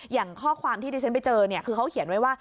อย่างข้อความที่ที่ฉันไปเจอเนี่ยคือเขาเขียนไว้ว่า